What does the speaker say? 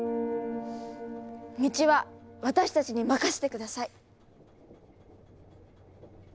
道は私たちに任せて下さい！